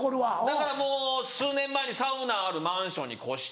だからもう数年前にサウナあるマンションに越して。